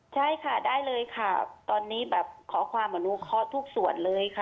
ใช่ค่ะได้เลยค่ะตอนนี้แบบขอความอนุเคราะห์ทุกส่วนเลยค่ะ